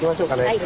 はい。